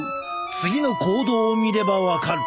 次の行動を見れば分かる。